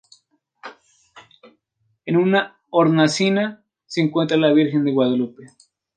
En una hornacina se encuentra la Virgen de Guadalupe.